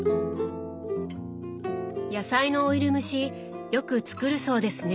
野菜のオイル蒸しよく作るそうですね。